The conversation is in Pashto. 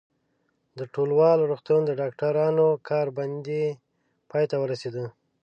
د ټولوال روغتون د ډاکټرانو کار بندي پای ته ورسېده.